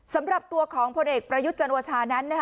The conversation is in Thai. สำหรับตัวของพลเอกประยุทธ์จันโอชานั้น